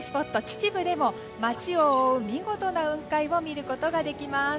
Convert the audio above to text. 秩父でも街を覆う見事な雲海を見ることができます。